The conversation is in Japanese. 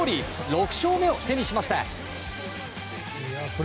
６勝目を手にしました。